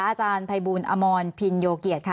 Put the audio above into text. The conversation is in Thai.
อาจารย์ไพบูลอามอนพินโยเกียจค่ะ